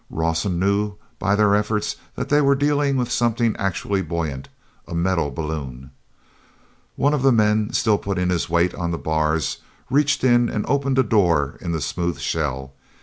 Rawson knew by their efforts that they were dealing with something actually buoyant, a metal balloon. One of the men, still putting his weight on the bars, reached in and opened a door in the smooth shell.